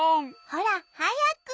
ほらはやく。